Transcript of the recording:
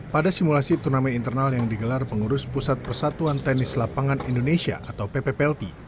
pada simulasi turnamen internal yang digelar pengurus pusat persatuan tenis lapangan indonesia atau ppplt